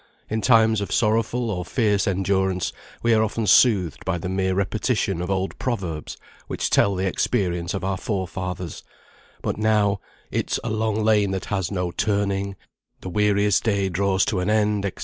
In times of sorrowful or fierce endurance, we are often soothed by the mere repetition of old proverbs which tell the experience of our forefathers; but now, "it's a long lane that has no turning," "the weariest day draws to an end," &c.